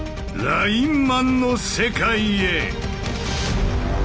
ラインマンの世界へ！